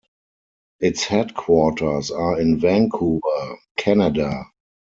Its headquarters are in Vancouver, Canada.